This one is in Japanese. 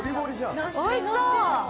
おいしそう！